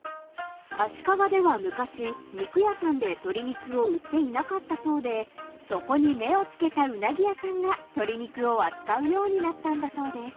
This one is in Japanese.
［足利では昔肉屋さんで鶏肉を売っていなかったそうでそこに目を付けたうなぎ屋さんが鶏肉を扱うようになったんだそうです］